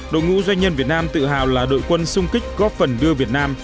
đội ngũ doanh nhân việt nam tự hào là đội quân sung kích góp phần đưa việt nam